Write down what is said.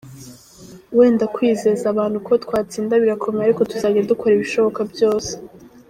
Wenda kwizeza abantu ko twatsinda birakomeye ariko tuzajya dukora ibishoboka byose.